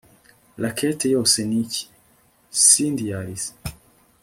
racket yose ni iki? cindy yarize